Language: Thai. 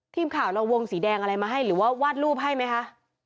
ทีมข่าวเราวงสีแดงอะไรมาให้หรือว่าวาดรูปให้ไหมคะ